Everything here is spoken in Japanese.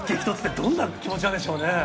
どんな気持ちなんでしょうね。